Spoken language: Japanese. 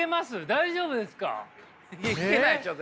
大丈夫ですか？